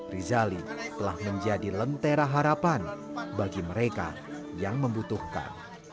rizali telah menjadi lentera harapan bagi mereka yang membutuhkan